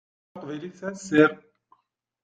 Taqbaylit tesεa sser.